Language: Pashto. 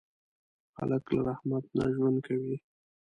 هلک له رحمت نه ژوند کوي.